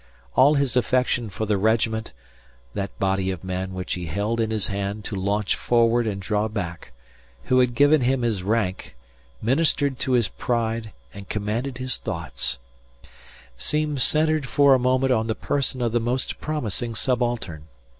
All his affection for the regiment that body of men which he held in his hand to launch forward and draw back, who had given him his rank, ministered to his pride and commanded his thoughts seemed centred for a moment on the person of the most promising subaltern.